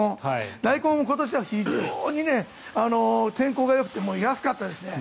ダイコンも今年は非常に天候がよくて安かったです。